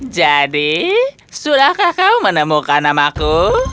jadi sudahkah kau menemukan namaku